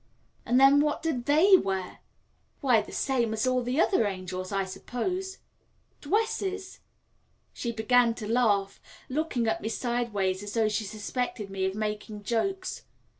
"And then what do they wear?" "Why, the same as all the other angels, I suppose." "Dwesses?" She began to laugh, looking at me sideways as though she suspected me of making jokes.